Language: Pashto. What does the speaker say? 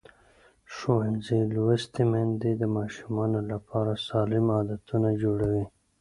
ښوونځې لوستې میندې د ماشومانو لپاره سالم عادتونه جوړوي.